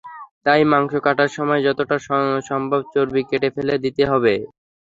তাই মাংস কাটার সময়ই যতটা সম্ভব চর্বি কেটে ফেলে দিতে হবে।